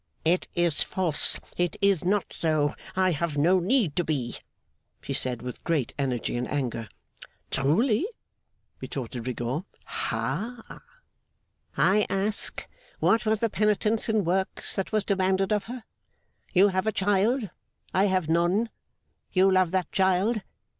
'It is false. It is not so. I have no need to be,' she said, with great energy and anger. 'Truly?' retorted Rigaud. 'Hah!' 'I ask, what was the penitence, in works, that was demanded of her? "You have a child; I have none. You love that child.